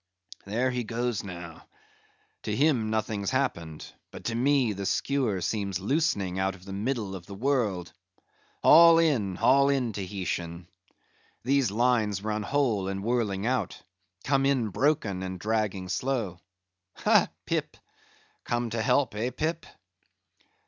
"There he goes now; to him nothing's happened; but to me, the skewer seems loosening out of the middle of the world. Haul in, haul in, Tahitian! These lines run whole, and whirling out: come in broken, and dragging slow. Ha, Pip? come to help; eh, Pip?"